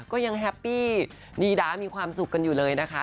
ก็ยังแฮปปี้ดีด้ามีความสุขกันอยู่เลยนะคะ